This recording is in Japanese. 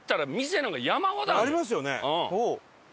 ありますよね。